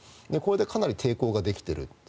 これでかなり抵抗ができている。